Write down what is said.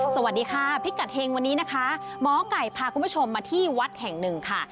สวัสดีค่ะพิกัดเฮงวันนี้นะคะหมอไก่พาคุณผู้ชมมาที่วัดแห่งหนึ่งค่ะ